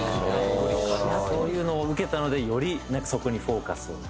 そういうのを受けたのでよりそこにフォーカスを。